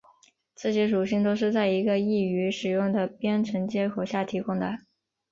这些属性都是在一个易于使用的编程接口下提供的。